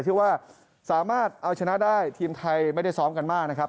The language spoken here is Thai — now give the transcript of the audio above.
ที่ว่าสามารถเอาชนะได้ทีมไทยไม่ได้ซ้อมกันมากนะครับ